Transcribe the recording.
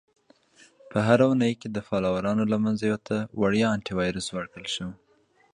- په هره اونۍ کې د فالوورانو له منځه یو ته وړیا Antivirus ورکړل شي.